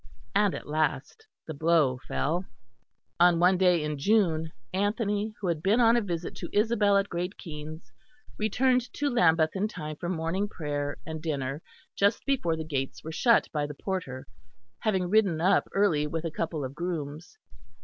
And at last the blow fell. On one day in June, Anthony, who had been on a visit to Isabel at Great Keynes, returned to Lambeth in time for morning prayer and dinner just before the gates were shut by the porter, having ridden up early with a couple of grooms.